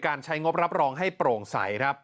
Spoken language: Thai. การใช้งบรับรองให้โปร่งใส